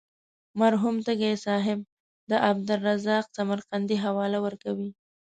مرحوم تږی صاحب د عبدالرزاق سمرقندي حواله ورکوي.